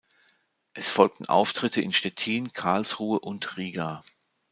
Es folgten Auftritte in Stettin, Karlsruhe und Riga.